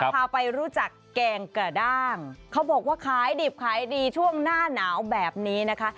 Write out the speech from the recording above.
พาไปรู้จักแกงกระด้างเขาบอกว่าขายดิบขายดีช่วงหน้าหนาวแบบนี้นะคะ